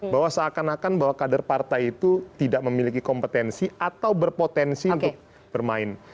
bahwa seakan akan bahwa kader partai itu tidak memiliki kompetensi atau berpotensi untuk bermain